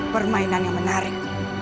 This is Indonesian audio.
permainan yang menarik